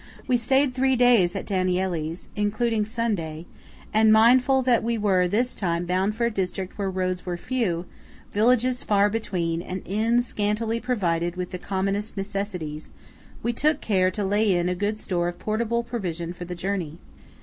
We stayed three days at Danielli's, including Sunday; and, mindful that we were this time bound for a district where roads were few, villages far between, and inns scantily provided with the commonest necessaries, we took care to lay in good store of portable provision for the journey.